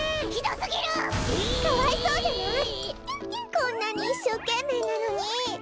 こんなにいっしょうけんめいなのに！